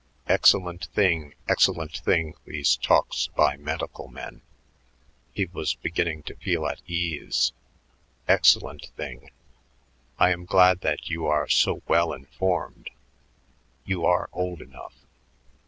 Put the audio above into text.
"Excellent thing, excellent thing, these talks by medical men." He was beginning to feel at ease. "Excellent thing. I am glad that you are so well informed; you are old enough."